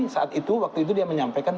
saat itu waktu itu dia menyampaikan